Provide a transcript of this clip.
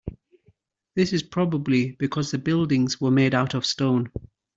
This is probably because the buildings were made out of stone.